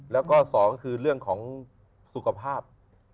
แล้วก็สองก็คือเรื่องของสุขภาพ